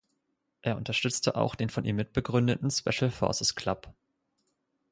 Er unterstützte auch den von ihm mitbegründeten Special Forces Club.